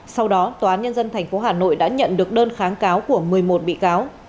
sau đó tòa án nhân dân tp hà nội đã nhận được đơn kháng cáo của một mươi một bị cáo